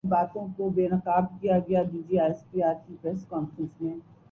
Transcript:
اگر طوفان ٹکرا جاتا تو کراچی میں کیا ہوتا